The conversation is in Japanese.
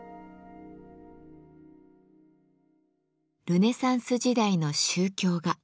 ルネサンス時代の宗教画。